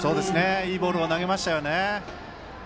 いいボールを投げましたね。